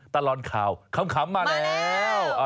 ตลอนข่าวข้ำมาแล้วมาแล้ว